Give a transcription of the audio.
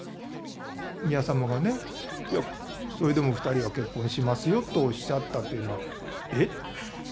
宮さまがね、いや、それでも２人は結婚しますよとおっしゃったというのは、えっ？